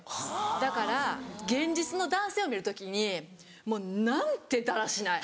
だから現実の男性を見る時にもうなんてだらしない。